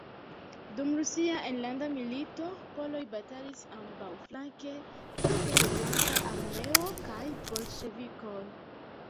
Dum Rusia Enlanda milito poloj batalis ambaŭflanke, flanke de Blanka armeo kaj bolŝevikoj.